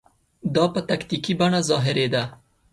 دا په تکتیکي بڼه ظاهري ده.